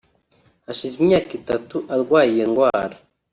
Hashize imyaka itatu arwaye iyo ndwara